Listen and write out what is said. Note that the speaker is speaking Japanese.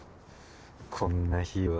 こんな日は。